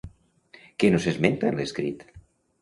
Què no s'esmenta en l'escrit?